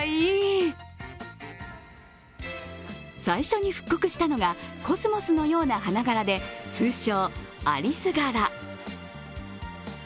最初に復刻したのがコスモスのような花柄で通称・アリス柄。